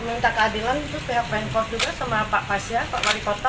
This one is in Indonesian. minta keadilan itu pihak pnkor juga sama pak fasya pak wali kota